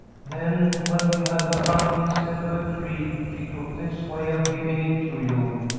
Then when we had the hunt instead of a tree, she took this way of giving it to you.